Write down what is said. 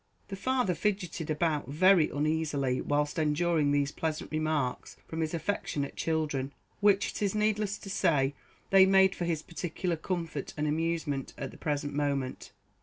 The father fidgetted about very uneasily whilst enduring these pleasant remarks from his affectionate children, which, it is needless to say, they made for his particular comfort and amusement at the present moment.